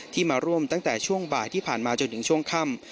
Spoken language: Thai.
มาร่วมตั้งแต่ช่วงบ่ายที่ผ่านมาจนถึงช่วงค่ำ